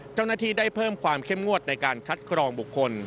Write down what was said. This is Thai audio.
เจ้าหน้าที่ได้เพิ่มความเข้มงวดในการคัดกรองบุคคล